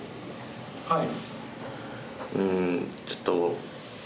はい。